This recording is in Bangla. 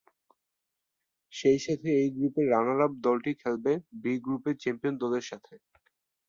সেই সাথে এই গ্রুপের রানার-আপ দলটি খেলবে বি গ্রুপের চ্যাম্পিয়ন দলের সাথে।